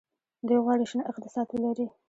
دوی غواړي شنه اقتصاد ولري.